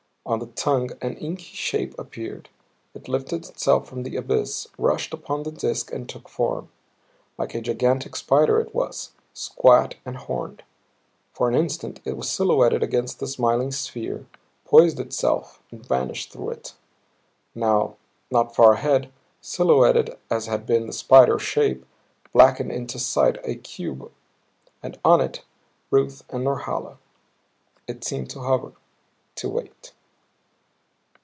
On the tongue an inky shape appeared; it lifted itself from the abyss, rushed upon the disk and took form. Like a gigantic spider it was, squat and horned. For an instant it was silhouetted against the smiling sphere, poised itself and vanished through it. Now, not far ahead, silhouetted as had been the spider shape, blackened into sight a cube and on it Ruth and Norhala. It seemed to hover, to wait.